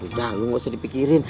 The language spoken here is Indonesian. udah lu gak usah dipikirin